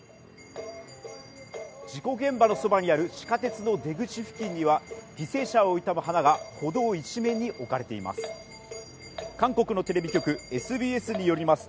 事故現場のそばにある地下鉄の出口付近には犠牲者を悼む花が歩道一面に置かれています